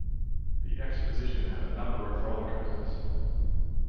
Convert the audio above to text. The exposition had a number of roller coasters.